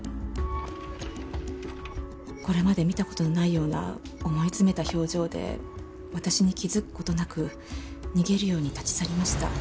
これまで見た事のないような思い詰めた表情で私に気づく事なく逃げるように立ち去りました。